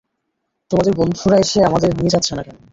তোমাদের বন্ধুরা এসে আমাদের নিয়ে যাচ্ছে না কেন?